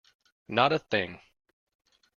Not a thing.